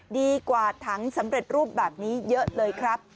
ดีกว่าถังสำเร็จรูปแบบนี้เยอะเลยครับ